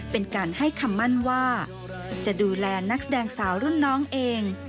เป็นการให้คำมั่นว่าจะดูแลนักแสดงสาวรุ่นน้องเอง